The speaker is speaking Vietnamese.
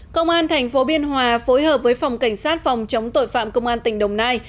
công an tp biên hòa phối hợp với phòng cảnh sát phòng chống tội phạm công an tỉnh đồng nai